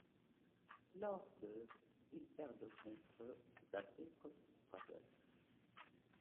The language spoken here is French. Lors de ', ils perdent contre The Briscoe Brothers.